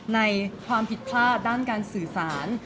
ในความผิดพลาดด้านการสื่อสาร